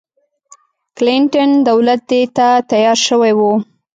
کلنټن دولت دې ته تیار شوی و.